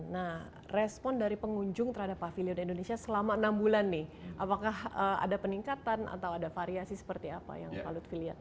nah respon dari pengunjung terhadap pavilion indonesia selama enam bulan nih apakah ada peningkatan atau ada variasi seperti apa yang pak lutfi lihat